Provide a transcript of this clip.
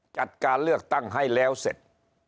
จัดการเลือกตั้งให้แล้วเสร็จ